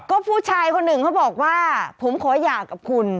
ก็ผู้ชายคนหนึ่งเขาบอกว่าผมขอหย่ากับคุณ